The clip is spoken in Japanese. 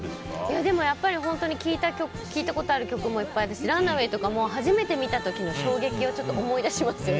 でも、本当に聴いたことある曲もいっぱいあるし「ランナウェイ」とかも初めて見た時の衝撃を思い出しますよね。